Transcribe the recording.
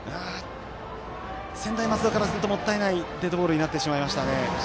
専大松戸からするともったいないデッドボールになってしまいましたね。